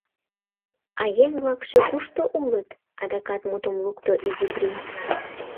— А еҥ-влакше кушто улыт? — адакат мутым лукто Изи принц.